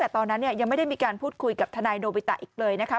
แต่ตอนนั้นยังไม่ได้มีการพูดคุยกับทนายโนบิตะอีกเลยนะคะ